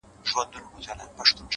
زه د شرابيانو قلندر تر ملا تړلى يم!